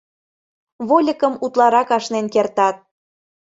Вольыкым утларак ашнен кертат.